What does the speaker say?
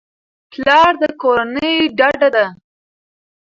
پلار د کورنۍ ډډه ده.